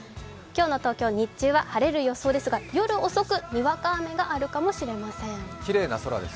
今日の東京、日中は晴れる予想ですが夜遅く、にわか雨があるかもしれません。